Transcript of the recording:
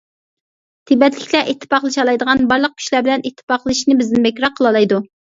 تىبەتلىكلەر ئىتتىپاقلىشالايدىغان بارلىق كۈچلەر بىلەن ئىتتىپاقلىشىشنى بىزدىن بەكرەك قىلالايدۇ.